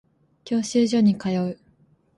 教習所に通う